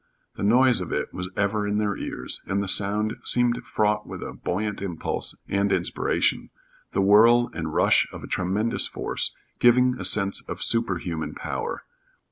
The noise of it was ever in their ears, and the sound seemed fraught with a buoyant impulse and inspiration the whirl and rush of a tremendous force, giving a sense of superhuman power.